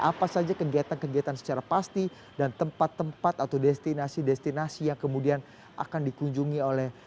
apa saja kegiatan kegiatan secara pasti dan tempat tempat atau destinasi destinasi yang kemudian akan dikunjungi oleh